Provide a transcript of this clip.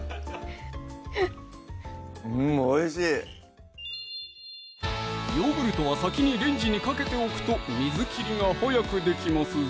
うんおいしいヨーグルトは先にレンジにかけておくと水切りが早くできますぞ！